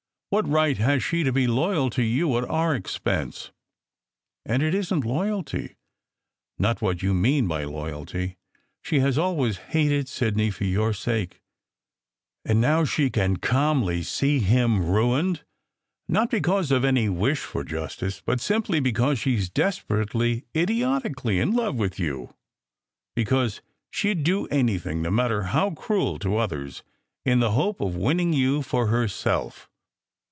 What right has she to be loyal to you at our expense? And it isn t loyalty, not what you mean by loyalty. She has always hated Sidney for your sake, and now she can calmly see him ruined, not because of any wish for justice, but simply be cause she s desperately, idiotically in love with you; be cause she d do anything no matter how cruel to others in the hope of winning you for herself.